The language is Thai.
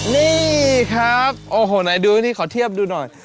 นี่ครับโอ้โหไหนดูนี่ขอเทียบดูหน่อย